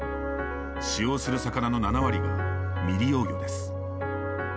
使用する魚の７割が未利用魚です。